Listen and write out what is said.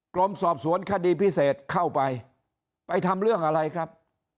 กรมสอบสวนคดีพิเศษเข้าไปไปทำเรื่องอะไรครับ